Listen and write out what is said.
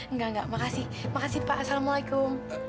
enggak enggak makasih makasih pak assalamualaikum